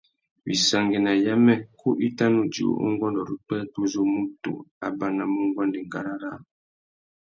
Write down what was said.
Wissangüena yamê, kú i tà nu djï ungôndô râ upwêpwê uzu mutu a banamú nguêndê ngárá râā.